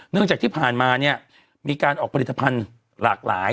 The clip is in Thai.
เนื่องจากที่ผ่านมามีการออกผลิตภัณฑ์หลากหลาย